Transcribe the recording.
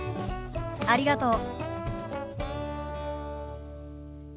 ありがとう。